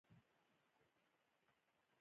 پلار چې کور ته ماښام راشي